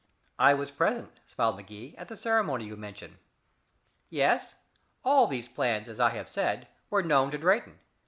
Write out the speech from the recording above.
"I was present," smiled Magee, "at the ceremony you mention." "Yes? All these plans, as I have said, were known to Drayton.